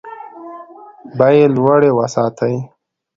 بیې لوړې وساتي.